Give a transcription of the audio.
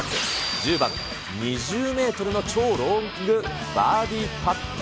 １０番、２０メートルの超ロングバーディーパット。